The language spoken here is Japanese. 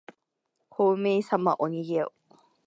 ほうめいさまおにげよ。